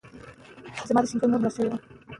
د علم ورکه د وطن ورکه ده.